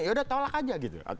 ya udah tolak aja gitu